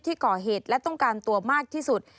ที่ก่อเหตุและต้องการตัวมากที่สุด